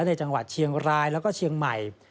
ในจังหวัดเชียงรายแล้วก็เชียงใหม่